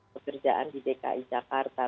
pekerjaan di dki jakarta